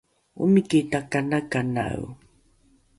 omiki takanakanae